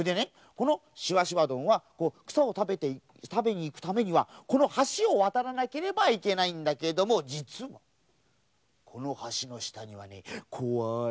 このしわしわどんはくさをたべにいくためにはこのはしをわたらなければいけないんだけどもじつはこのはしのしたにはねこわいこわい